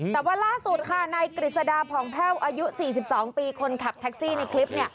แต่ว่าล่าสุดค่ะนายกฤษดาผองแพ่วอายุ๔๒ปีคนขับแท็กซี่ในคลิป